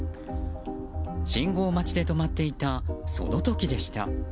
信号待ちで止まっていたその時でした。